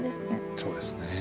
そうですね。